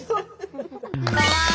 かわいい！